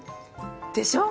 でしょ。